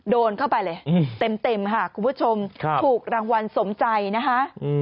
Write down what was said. โดนเข้าไปเลยเต็มค่ะคุณผู้ชมถูกรางวัลสมใจนะคะ